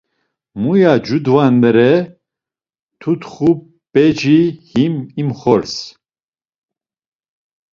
Muya cudvanere; tutxu, p̌eci him imxors.